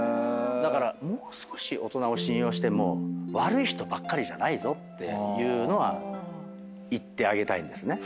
だからもう少し大人を信用しても悪い人ばっかりじゃないぞっていうのは言ってあげたいんです。